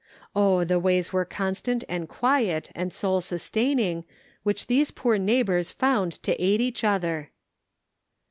Oh, the ways were constant and quiet and soul sustaining, which these poor neighbors found to aid each other.